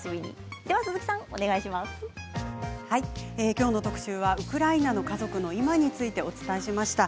きょうの特集はウクライナの家族の今についてお伝えしました。